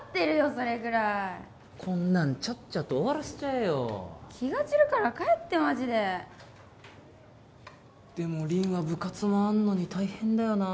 それぐらいこんなんちゃっちゃと終わらせちゃえよ気が散るから帰ってマジででも凛は部活もあんのに大変だよな